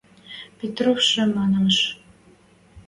– Петровшы манеш.